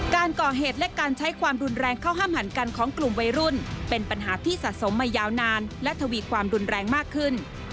การก่อเหตุและการใช้ความรุนแรงเข้าห้ามหันกันของกลุ่มวัยรุ่นเป็นปัญหาที่สะสมมายาวนานและทวีความรุนแรงมากขึ้น